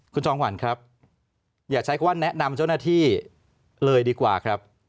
คุณจองหวันครับอย่าใช้คำว่าแนะนำเจ้าหน้าที่เลยดีกว่าครับ